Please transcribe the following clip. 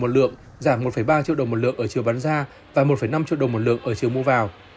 một lượng giảm một ba triệu đồng một lượng ở chiều bán ra và một năm triệu đồng một lượng ở chiều mua vào